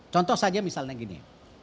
contoh saja misalnya gini